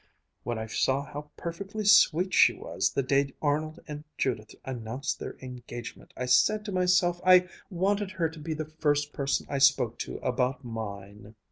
When I saw how perfectly sweet she was the day Arnold and Judith announced their engagement, I said to myself I wanted her to be the first person I spoke to about mine."